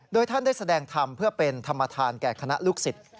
โดยท่านได้แสดงธรรมเพื่อเป็นธรรมธานแก่คณะลูกศิษย์